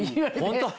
ホント？